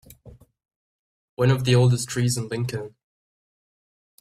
One of the oldest trees in Lincoln.